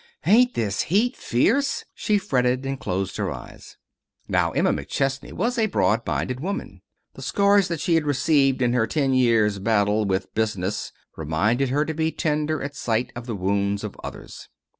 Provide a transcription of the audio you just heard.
"Ain't this heat fierce?" she fretted, and closed her eyes. Now, Emma McChesney was a broad minded woman. The scars that she had received in her ten years' battle with business reminded her to be tender at sight of the wounds of others.